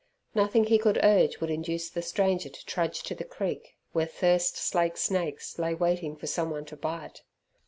Nothing he could urge would induce the stranger to trudge to the creek, where thirst slaked snakes lay waiting for someone to bite.